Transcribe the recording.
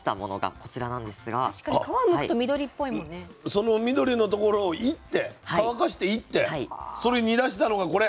その緑の所をいって乾かしていってそれ煮だしたのがこれ。